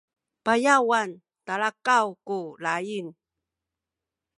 payawan talakaw ku laying